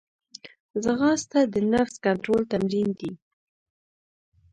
ځغاسته د نفس کنټرول تمرین دی